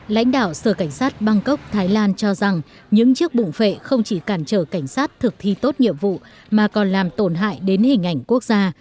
lãnh đạo sở cảnh sát bangkok thái lan cho rằng những chiếc bụng vệ không chỉ cản trở cảnh sát thực thi tốt nghiệp vụ mà còn làm tổn hại đến hình ảnh quốc gia